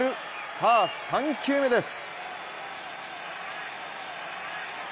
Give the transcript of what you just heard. さあ、３球目です。